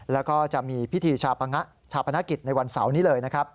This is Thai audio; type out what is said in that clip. แล้วก็จะมีพิธีชาปณะกิจในวันเสาร์นี้เลย